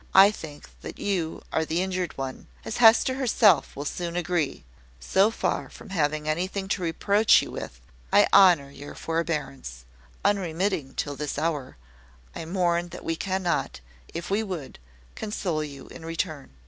I think that you are the injured one, as Hester herself will soon agree. So far from having anything to reproach you with, I honour your forbearance, unremitting till this hour, I mourn that we cannot, if we would, console you in return.